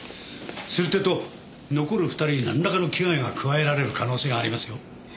するってえと残る２人になんらかの危害が加えられる可能性がありますよ。